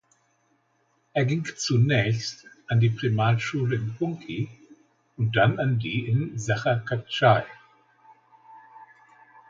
Er ging zunächst an die Primarschule in Punqui und dann an die in Sachacaccay.